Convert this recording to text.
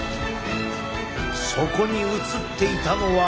そこに写っていたのは。